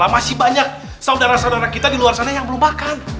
masih banyak saudara saudara kita di luar sana yang belum makan